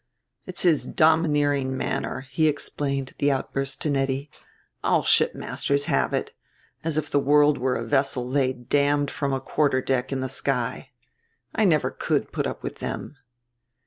"It's his domineering manner," he explained the outburst to Nettie; "all shipmasters have it as if the world were a vessel they damned from a quarter deck in the sky. I never could put up with them."